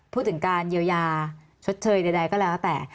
พูดถึงการเยียวยาชดเชยใดก็แล้วแต่